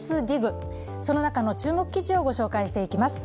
その中の注目記事をご紹介していきます。